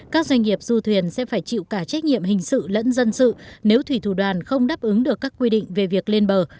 các doanh nghiệp du thuyền sẽ phải chịu cả trách nhiệm hình sự lẫn dân sự nếu thủy thủ đoàn không đáp ứng được các quy định về việc lên bờ